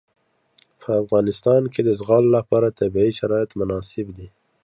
په افغانستان کې د زغال لپاره طبیعي شرایط مناسب دي.